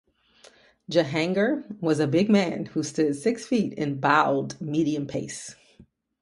Jahangir was a big man who stood six feet and bowled medium pace.